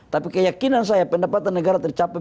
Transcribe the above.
tapi keyakinan saya pendapatan negara tercapai